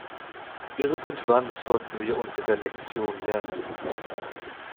Irgendwann sollten wir unsere Lektion lernen.